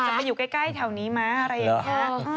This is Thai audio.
ก็อาจจะไปอยู่ใกล้แถวนี้มาอะไรแบบนี้